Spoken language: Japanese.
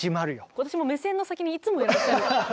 私も目線の先にいつもいらっしゃる。